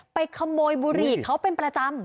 ไปขโมยบุหรี่เขาเป็นประจำ